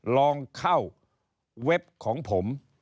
ลองเข้าเว็บของผม